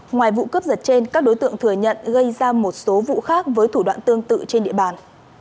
ngoài vụ cướp giật trên các đối tượng thừa nhận gây ra một số vụ khác với thủ đoạn tương tự trên địa bàn